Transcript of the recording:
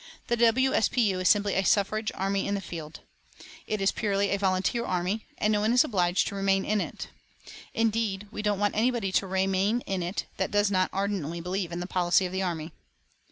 The W. S. P. U. is simply a suffrage army in the field. It is purely a volunteer army, and no one is obliged to remain in it. Indeed we don't want anybody to remain in it who does not ardently believe in the policy of the army.